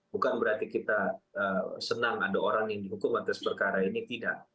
bukan berarti kita senang ada orang yang dihukum atas perkara ini tidak